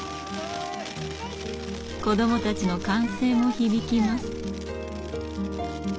子どもたちの歓声も響きます。